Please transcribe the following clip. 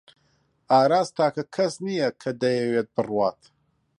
ئاراس تاکە کەس نییە کە دەیەوێت بڕوات.